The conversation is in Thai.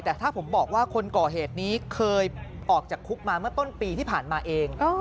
แต่ถ้าผมบอกว่าคนก่อเหตุนี้เคยออกจากคุกมาเมื่อต้นปีที่ผ่านมาเอง